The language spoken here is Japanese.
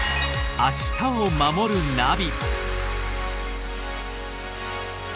「明日をまもるナビ」